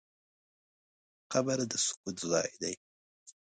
قبر د سکوت ځای دی.